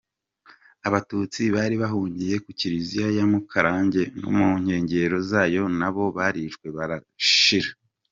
Abatutsi bari bahungiye ku Kiliziya ya Mukarange no mu nkengero zayo nabo barishwe barashira.